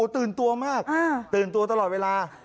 ตื่นตัวมากตื่นตัวตลอดเวลา